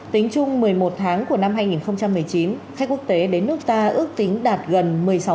tính chung một mươi một tháng của năm hai nghìn một mươi chín khách quốc tế đến nước ta ước tính đạt gần